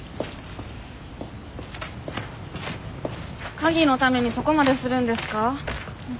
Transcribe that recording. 鍵のためにそこまでするんですか？